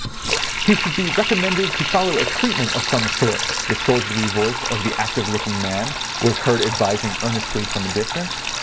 "He should be recommended to follow a treatment of some sort," the soldierly voice of the active looking man was heard advising earnestly from a distance.